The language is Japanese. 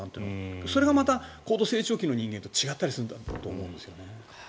それがまた、高度成長期の人間と違ったりするんだと思うんですよね。